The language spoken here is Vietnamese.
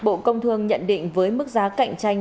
bộ công thương nhận định với mức giá cạnh tranh